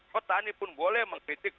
petani pun boleh mengkritik